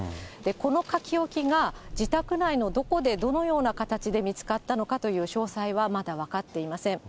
この書き置きが、自宅内のどこで、どのような形で見つかったのかという詳細はまだ分かっていません。